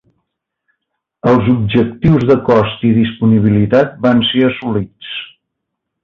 Els objectius de cost i disponibilitat van ser assolits.